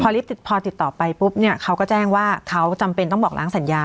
พอติดต่อไปปุ๊บเนี่ยเขาก็แจ้งว่าเขาจำเป็นต้องบอกล้างสัญญา